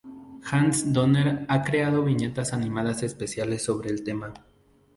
Hans Donner ha creado viñetas animadas especiales sobre el tema.